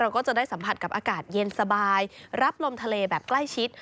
ก็จะได้สัมผัสกับอากาศเย็นสบายรับลมทะเลแบบใกล้ชิด